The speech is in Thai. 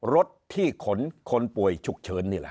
รถที่ขนคนป่วยฉุกเฉินนี่แหละ